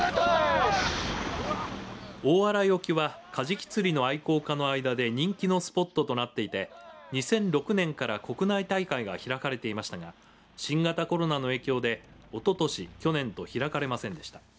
大洗沖はカジキ釣りの愛好家の間で人気のスポットとなっていて２００６年から国内大会が開かれていましたが新型コロナの影響でおととし去年と開かれませんでした。